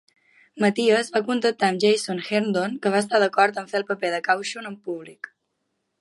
Matias va contactar amb Jason Herndon, que va estar d'acord en fer el paper de Caushun en públic.